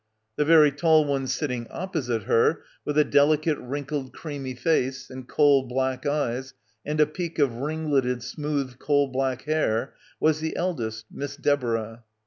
The very tall one sitting opposite her, with a delicate wrinkled creamy face and coal black eyes and a peak of ringletted smooth coal black hair, was the eldest, Miss Deborah.